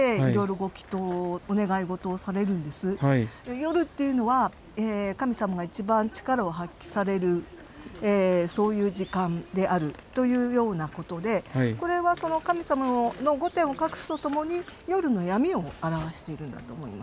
夜っていうのは神様が一番力を発揮されるそういう時間であるというようなことでこれはその神様の御殿を隠すとともに夜の闇を表しているんだと思います。